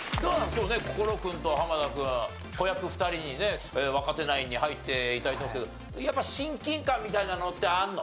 今日ね心君と濱田君子役２人にね若手ナインに入って頂いてますけどやっぱり親近感みたいなのってあるの？